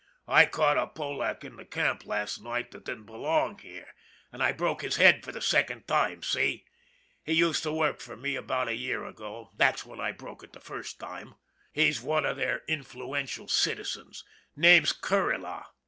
" I caught a Polack in the camp last night that didn't belong here and I broke his head for the second time, see? He used to work for me about a year ago that's when I broke it the first time. He's one of their influential citizens name's Kuryla.